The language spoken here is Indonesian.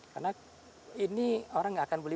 karena ini orang nggak akan beli